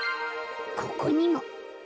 ここにも。